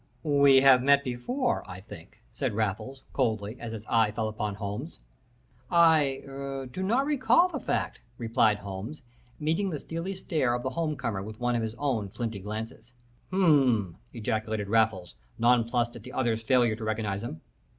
"'We have met before, I think,' said Raffles, coldly, as his eye fell upon Holmes. "'I er do not recall the fact,' replied Holmes, meeting the steely stare of the home comer with one of his own flinty glances. "'H'm!' ejaculated Raffles, non plussed at the other's failure to recognize him.